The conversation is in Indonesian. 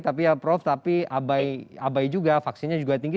tapi ya prof tapi abai juga vaksinnya juga tinggi